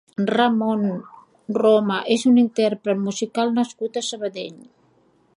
Rah-Mon Roma és un intérpret musical nascut a Sabadell.